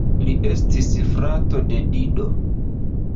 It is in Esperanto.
Li estis frato de Dido.